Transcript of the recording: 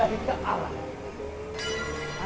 alhamdulillah kita alam